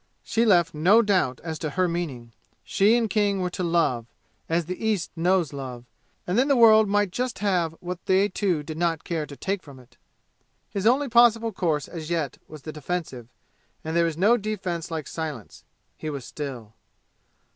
She left no doubt as to her meaning. She and King were to love, as the East knows love, and then the world might have just what they two did not care to take from it. His only possible course as yet was the defensive, and there is no defense like silence. He was still.